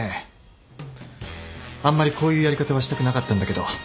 あんまりこういうやり方はしたくなかったんだけど。